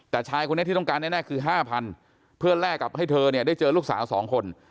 แต่ชายคนนี้ที่ต้องการแน่คือ๕๐๐เพื่อแลกกับให้เธอเนี่ยได้เจอลูกสาว๒คน